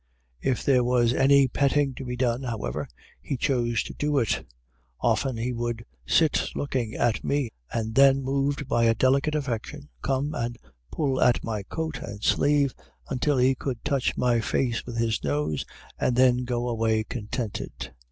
If there was any petting to be done, however, he chose to do it. Often he would sit looking at me, and then, moved by a delicate affection, come and pull at my coat and sleeve until he could touch my face with his nose, and then go away contented.